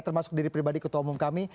termasuk diri pribadi ketua umum kami